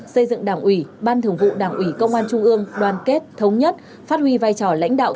xây dựng đảng ủy ban thường vụ đảng ủy công an trung ương đoàn kết thống nhất phát huy vai trò lãnh đạo